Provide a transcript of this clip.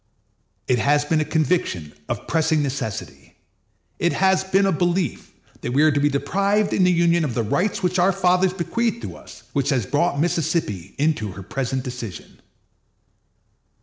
It has been a conviction of pressing necessity, it has been a belief that we are to be deprived in the Union of the rights which our fathers bequeathed to us, which has brought Mississippi into her present decision.